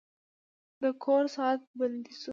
د کور ساعت بند شوی و.